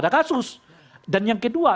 ada kasus dan yang kedua